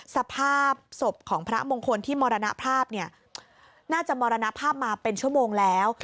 สภาพศพของพระมงคลที่มรณภาพเนี่ยน่าจะมรณภาพมาเป็นชั่วโมงแล้ว